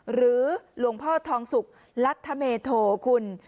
หรือหลวงพ่อทองสุกรัฐเมโทคุณ